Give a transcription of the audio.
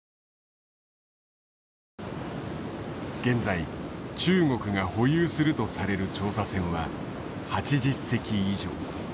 現在中国が保有するとされる調査船は８０隻以上。